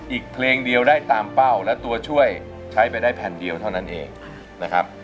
อีกเพลงเดียวได้ตามเป้าและตัวช่วยใช้ไปได้แผ่นเดียวเท่านั้นเองนะครับ